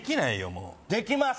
もうできます